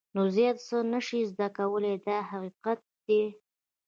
نو زیات څه نه شې زده کولای دا حقیقت دی.